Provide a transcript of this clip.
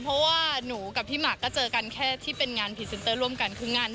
เพราะว่าหนูกับพี่หมากก็เจอกันแค่ที่เป็นงานพรีเซนเตอร์ร่วมกันคืองาน